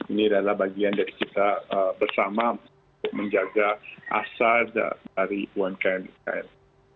ini adalah bagian dari kita bersama untuk menjaga asa dari umkm israel